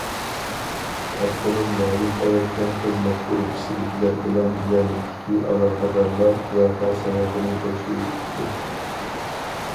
ئاپتونوم رايون ئەۋەتكەن خىزمەت گۇرۇپپىسىدىكىلەر بىلەن يەرلىكتىكى ئالاقىدارلار ۋەقە سەۋەبىنى تەكشۈرۈۋېتىپتۇ.